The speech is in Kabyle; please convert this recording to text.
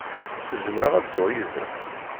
Zemreɣ ad dduɣ yid-m?